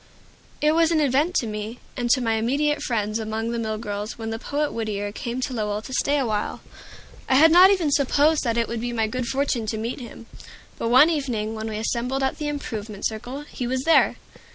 It was an event to me, and to my immediate friends among the mill girls, when the poet Whittier came to Lowell to stay awhile. I had not supposed that it would be my good fortune to meet him; but one evening when we assembled at the "Improvement Circle," he was there.